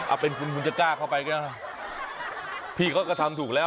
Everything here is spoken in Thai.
เอาเป็นคุณคุณจะกล้าเข้าไปก็ได้พี่เขาก็ทำถูกแล้ว